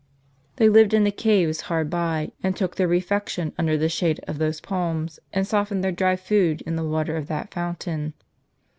They lived in the caves hard by, and took their refection under the shade of those palms, and softened their dry food in the water of that fountain.